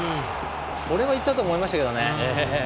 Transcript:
これはいったと思いましたけどね。